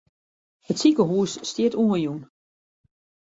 It sikehús stiet oanjûn.